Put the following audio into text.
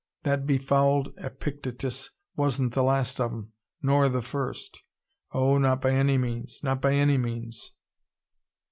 "That be fouled Epictetus wasn't the last of 'em nor the first. Oh, not by any means, not by any means."